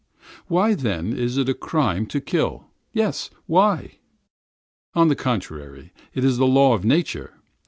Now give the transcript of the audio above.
Why then is it a crime to kill? Yes, why? On the contrary, it is the law of nature.